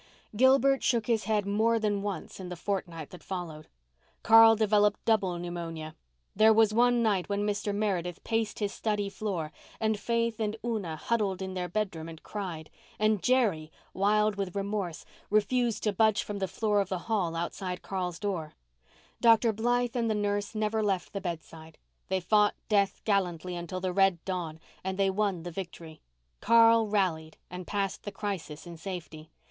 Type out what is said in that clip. Gilbert shook his head more than once in the fortnight that followed. Carl developed double pneumonia. There was one night when Mr. Meredith paced his study floor, and Faith and Una huddled in their bedroom and cried, and Jerry, wild with remorse, refused to budge from the floor of the hall outside Carl's door. Dr. Blythe and the nurse never left the bedside. They fought death gallantly until the red dawn and they won the victory. Carl rallied and passed the crisis in safety.